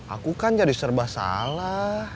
aku kan jadi serba salah